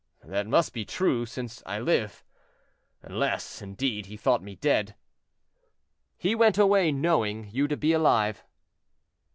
"That must be true, since I live; unless, indeed, he thought me dead." "He went away knowing you to be alive."